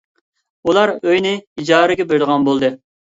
ئۇلار ئۆيىنى ئىجارىگە بېرىدىغان بولدى.